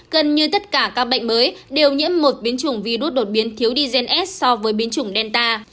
gần như tất cả các bệnh mới đều nhiễm một biến chủng virus đột biến thiếu dgs so với biến chủng delta